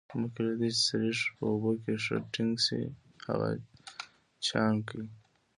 مخکې له دې چې سريښ په اوبو کې ښه ټینګ شي هغه چاڼ کړئ.